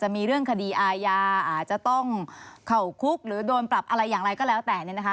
มีเรื่องคดีอาญาอาจจะต้องเข้าคุกหรือโดนปรับอะไรอย่างไรก็แล้วแต่เนี่ยนะคะ